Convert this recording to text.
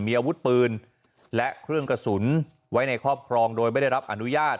มีอาวุธปืนและเครื่องกระสุนไว้ในครอบครองโดยไม่ได้รับอนุญาต